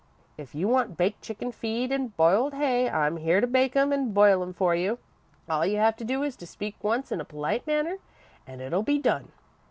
If you want baked chicken feed and boiled hay, I'm here to bake 'em and boil 'em for you. All you have to do is to speak once in a polite manner and it'll be done.